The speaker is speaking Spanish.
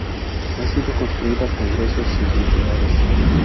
Ha sido construida con gruesos sillares.